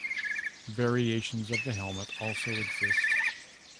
Variations of the helmet also exist.